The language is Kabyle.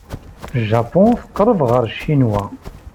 Japun teqreb ɣer Ccinwa.